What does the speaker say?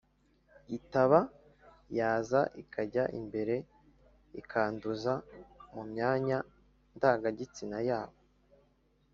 itaba yaza ikajya imbere ikanduza mu myanya ndangagitsina yabo.